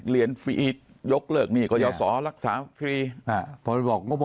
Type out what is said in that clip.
เรียนฟรียกเลิกมีคอยาสอรักษาฟรีอ่ะพ่อพ่อเบิลบอกนี่